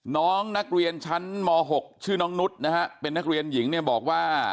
น้องนักเรียนชั้นม๖ชื่อน้องนุษย์นะฮะเป็นนักเรียนหญิงเนี่ยบอกว่า